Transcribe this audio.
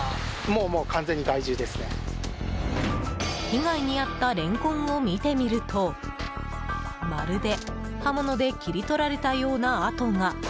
被害に遭ったレンコンを見てみるとまるで刃物で切り取られたような跡が。